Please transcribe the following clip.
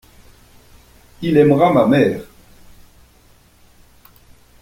Il aimera ma mère.